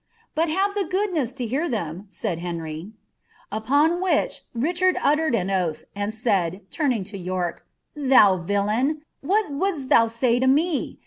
''" But have the goodness to hear ihem." said I' i>ry. Upon which Richard uttered an oaili, and said, turning lo Ym k,* riiou villain ! what wouldst thou sav to mc